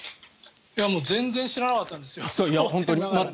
全然知らなかったんですよ。